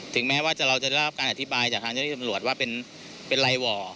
แม้ว่าเราจะได้รับการอธิบายจากทางเจ้าที่จำรวจว่าเป็นไรหว่อ